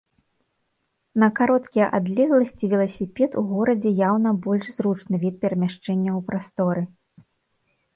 На кароткія адлегласці веласіпед у горадзе яўна больш зручны від перамяшчэння ў прасторы.